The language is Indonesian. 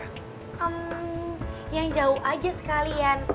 hmm yang jauh aja sekalian